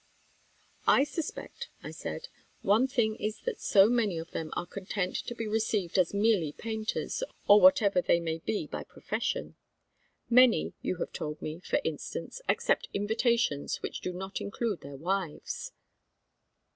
"I suspect," I said, "one thing is that so many of them are content to be received as merely painters, or whatever they may be by profession. Many, you have told me, for instance, accept invitations which do not include their wives."